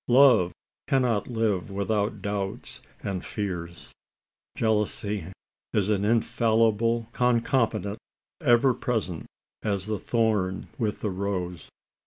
Love cannot live without doubts and fears. Jealousy is its infallible concomitant ever present as the thorn with the rose.